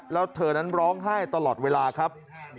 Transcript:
แล้วเธอนั้นร้องไห้ตลอดเวลาครับ